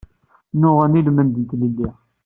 Nnuɣen i lmend n tlelli.